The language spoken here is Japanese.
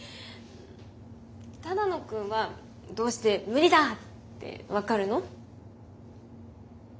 只野くんはどうして無理だって分かるの？